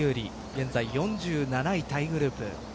現在４７位タイグループ。